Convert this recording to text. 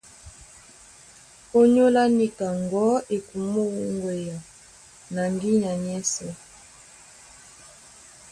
Ónyólá níka ŋgɔ̌ e kumó wúŋgea na ŋgínya nyɛ́sɛ̄.